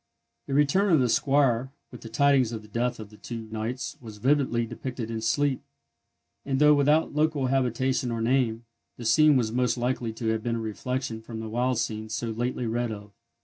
The return of the squire with the tidings of the death of the two knights was vividly depicted in sleep; and, though without local habitation or name, the scene was most likely to have been a reflection from the wild scenes so lately read of.